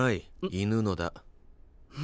犬のだ。